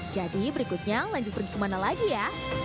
jadi berikutnya lanjut pergi kemana lagi ya